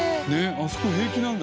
あそこ平気なんだ。